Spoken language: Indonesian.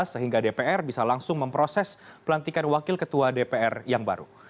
sehingga dpr bisa langsung memproses pelantikan wakil ketua dpr yang baru